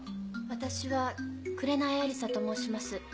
私は紅亜理沙と申します。